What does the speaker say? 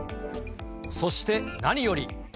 そして何より。